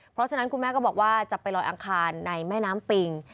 เพราะฉะนั้นคุณแม่ก็บอกว่าจะไปลอยอังคารในแม่น้ำปิง